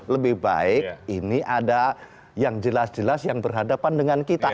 lebih baik ini ada yang jelas jelas yang berhadapan dengan kita